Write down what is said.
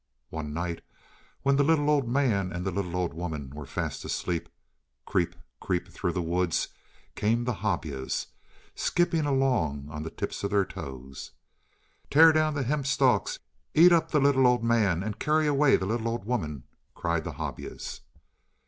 One night when the little old man and the little old woman were fast asleep, creep, creep, through the woods came the Hobyahs, skipping along on the tips of their toes. "Tear down the hemp stalks. Eat up the little old man, and carry away the little old woman," cried the Hobyahs.